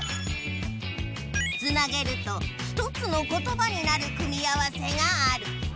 つなげると１つのことばになる組み合わせがある。